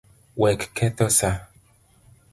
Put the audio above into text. Wek ketho saa.